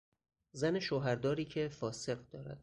زن شوهر داری که فاسق دارد